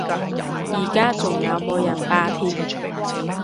而家仲有冇人罷鐵？